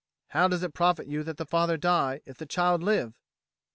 How does it profit you that the father die, if the child live?"